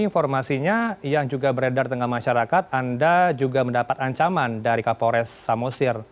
informasinya yang juga beredar di tengah masyarakat anda juga mendapat ancaman dari kapolres samosir